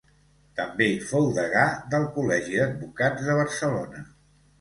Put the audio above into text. També fou degà del Col·legi d'Advocats de Barcelona.